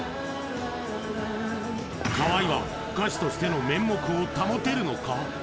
河合は歌手としての面目を保てるのか？